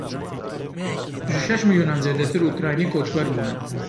Ji şeş milyonan zêdetir, Ukraynî koçber bûne.